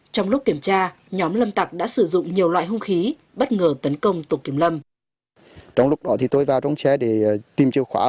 trong lúc kiểm tra nhóm lâm tặc đã sử dụng nhiều loại hung khí bất ngờ tấn công tổ kiểm lâm